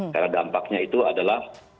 karena dampaknya itu adalah